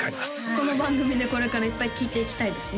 この番組でこれからいっぱい聴いていきたいですね